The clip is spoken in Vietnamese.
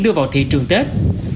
đưa vào thị trường tết